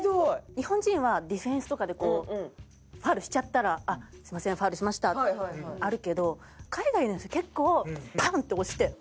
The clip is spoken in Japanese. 日本人はディフェンスとかでこうファウルしちゃったら「すみませんファウルしました」ってあるけど海外の人は結構パンッ！って押して。